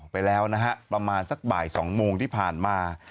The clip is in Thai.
ไปแล้วนะฮะประมาณสักบ่าย๒โมงที่ผ่านมา